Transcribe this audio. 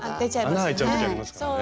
穴開いちゃう時ありますからね。